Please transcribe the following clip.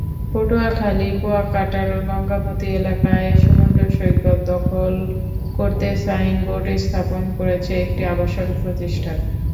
পটুয়াখালীর কুয়াকাটার গঙ্গামতী এলাকায় সমুদ্রসৈকত দখল করতে সাইনবোর্ড স্থাপন করেছে একটি আবাসন প্রতিষ্ঠান।